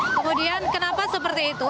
kemudian kenapa seperti itu